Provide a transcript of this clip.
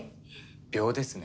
秒ですね。